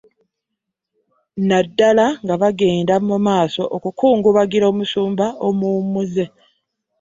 Naddala nga bagenda mu maaso okukungubagira omusumba omuwumuzze